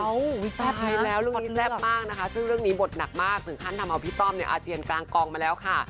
อ้าววิทยาลัยแล้วเรื่องนี้เจ็บมากนะคะซึ่งเรื่องนี้บทหนักมากถึงท่านทำเอาพี่ต้อมในอาเจียนกลางกองมาแล้วค่ะ